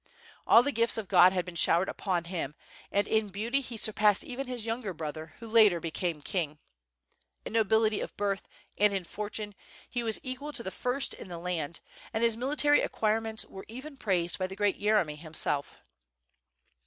All the gifts of God had been showered upon him, and in beauty he surpassed even his younger brother, who later became king. In nobility of birth, and in fortune he was equal to the first g WITH FIRE AND SWORD, in the land, and his military acquirements were even praised by the great Yeremy himself.